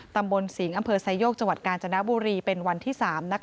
ตำบลสิงห์อำเภอไซโยกจังหวัดกาญจนบุรีเป็นวันที่๓